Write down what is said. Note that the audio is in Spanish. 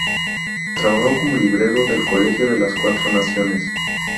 Trabajó como librero del Colegio de las Cuatro Naciones.